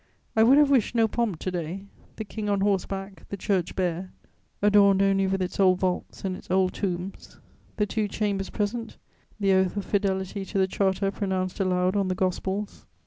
I would have wished no pomp to day: the King on horseback, the church bare, adorned only with its old vaults and its old tombs; the two Chambers present, the oath of fidelity to the Charter pronounced aloud on the Gospels.